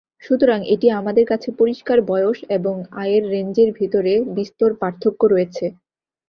সুতরাং এটি আমাদের কাছে পরিষ্কার বয়স এবং আয়ের রেঞ্জের ভেতরে বিস্তর পার্থক্য রয়েছে।